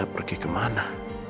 elsa pergi ke mana